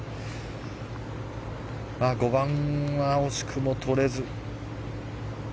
５番は惜しくもとれず。